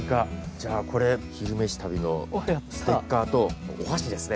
じゃあこれ「昼めし旅」のステッカーとお箸ですね。